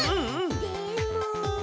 でも。